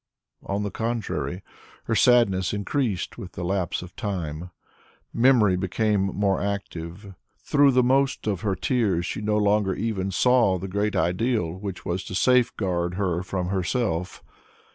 On the contrary, her sadness increased with the lapse of time; memory became more active; through the most of her tears she no longer even saw the great ideal which was to safeguard her from herself.